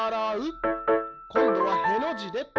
こんどは「へ」のじで。